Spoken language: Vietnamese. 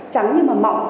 trắng như mà mọc